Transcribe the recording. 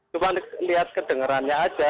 cuman lihat kedengerannya aja